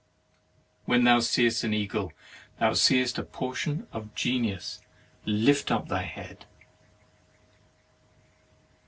When thou seest an eagle, thou seest a portion of Genius. Lift up thy head!